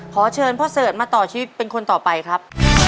ขอเชิญพ่อเสิร์ชมาต่อชีวิตเป็นคนต่อไปครับ